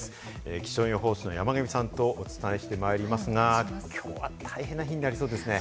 気象予報士の山神さんとお伝えしてまいりますが、きょうは大変な日になりそうですね。